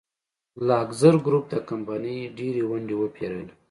لاکزر ګروپ د کمپنۍ ډېرې ونډې وپېرله.